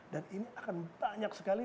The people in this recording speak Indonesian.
dan ini akan banyak sekali